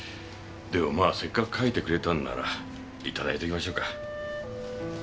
でもまあせっかく書いてくれたんならいただいておきましょうか。